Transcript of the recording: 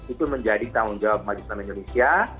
itu menjadi tanggung jawab majelis ulama indonesia